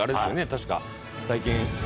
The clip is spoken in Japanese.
確か最近。